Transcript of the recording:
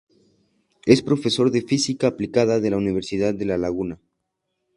Es profesor de Física aplicada de la Universidad de La Laguna.